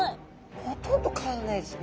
ほとんど変わらないですね。